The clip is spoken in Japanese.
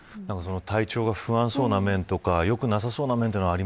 体調が不安そうな面とか良くなさそうな面とか